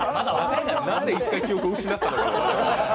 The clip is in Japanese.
何で一回記憶を失ったのか。